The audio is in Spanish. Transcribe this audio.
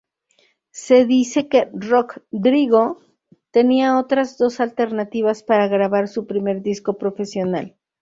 Se dice que Rockdrigo tenía otras dos alternativas para grabar su primer disco profesional.